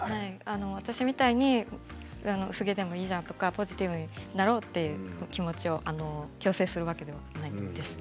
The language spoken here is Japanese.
私みたいに薄毛でもいいじゃない、ポジティブになろうという気持ちを強制するわけではないんです。